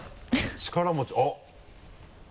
力持ちあっ。